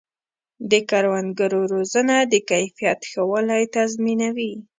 د کروندګرو روزنه د کیفیت ښه والی تضمینوي.